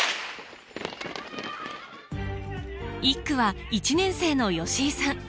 １区は１年生の吉井さん